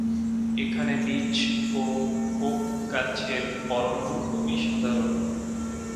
এখানে বিচ ও ওক গাছের অরণ্য খুবই সাধারণ।